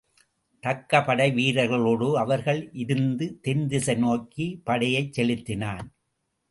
தக்க படை வீரர்களோடு அவர்கள் இருந்த தென்திசை நோக்கிப் படையைச் செலுத்தினான்.